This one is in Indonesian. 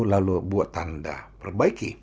lalu buat tanda perbaiki